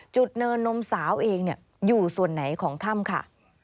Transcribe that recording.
เนินนมสาวเองอยู่ส่วนไหนของถ้ำค่ะ